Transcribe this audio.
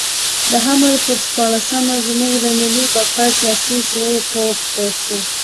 د حمل پر شپاړلسمه زموږ د ملي بقا سیاسي شعور پوخ شو.